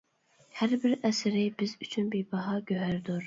ھەر بىر ئەسىرى بىز ئۈچۈن بىباھا گۆھەردۇر.